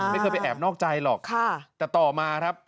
ไม่เคยไปแอบนอกใจหรอกแต่ต่อมาครับ